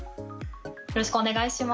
よろしくお願いします。